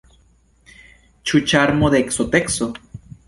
Ĉu ĉarmo de ekzoteco?